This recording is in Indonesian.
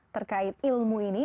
terkait ilmu ini